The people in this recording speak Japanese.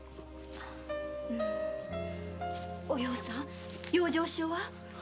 お葉さん養生所は？